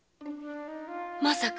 まさか？